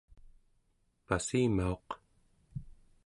passimauq